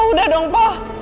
pak udah dong pak